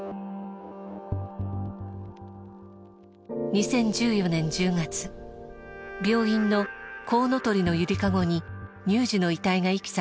２０１４年１０月病院のこうのとりのゆりかごに乳児の遺体が遺棄されました。